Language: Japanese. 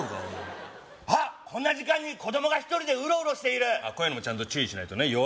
あっこんな時間に子供が一人でウロウロしているこういうのもちゃんと注意しないとね